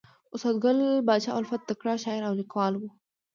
استاد ګل پاچا الفت تکړه شاعر او لیکوال ؤ.